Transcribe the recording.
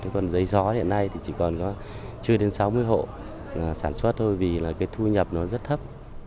còn giấy gió hiện nay thì chỉ còn có chưa đến sáu mươi hộ sản xuất thôi vì là cái thu nhập nó rất thấp